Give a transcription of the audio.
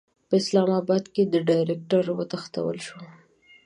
په اسلاماباد کې د ډایرکټر وتښتول شو.